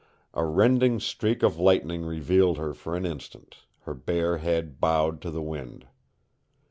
A rending streak of lightning revealed her for an instant, her bare head bowed to the wind.